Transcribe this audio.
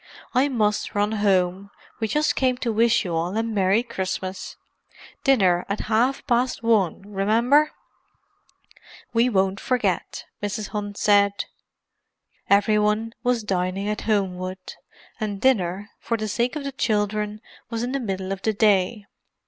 I must run home; we just came to wish you all a merry Christmas. Dinner at half past one, remember!" "We won't forget," Mrs. Hunt said. Every one was dining at Homewood, and dinner, for the sake of the children, was in the middle of the day.